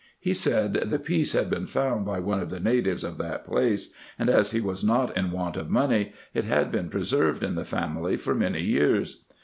He said, the piece had been found by one of the natives of that place ; and, as he was not in want of money, it had been preserved in the family for many years.